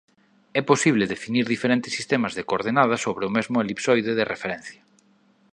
É posible definir diferentes sistemas de coordenadas sobre o mesmo elipsoide de referencia.